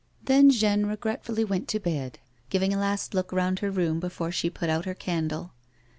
Then Jeanne regretfully went to bed, giving a last look round her room before she put out her candle.